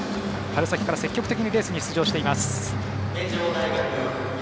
春先から積極的にレースに出場、石井。